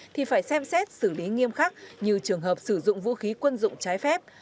thì phải xem xét xử lý nghiêm khắc như trường hợp sử dụng vũ khí quân dụng trái phép